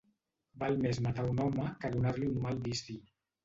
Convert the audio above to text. Val més matar un home que donar-li un mal vici.